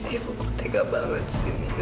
ibu aku tegak banget sih ibu